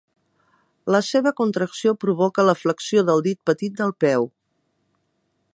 La seva contracció provoca la flexió del dit petit del peu.